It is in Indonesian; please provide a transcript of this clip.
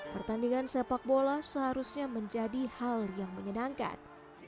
pertandingan sepak bola seharusnya menjadi hal yang menyenangkan